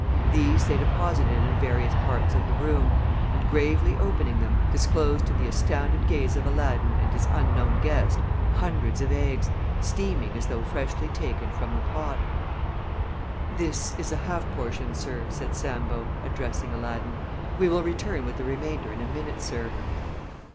These they deposited in various parts of the room, and, gravely opening them, disclosed to the astounded gaze of Aladdin and his unknown guest hundreds of eggs, steaming as though freshly taken from the pot. [Illustration: "THIS IS A HALF PORTION, SIR," SAID SAMBO] "This is a half portion, sir," said Sambo, addressing Aladdin. "We will return with the remainder in a minute, sir."